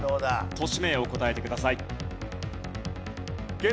都市名を答えてください。